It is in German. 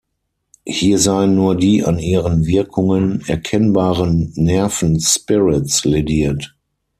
Hier seien nur die an ihren Wirkungen erkennbaren Nerven-Spirits lädiert.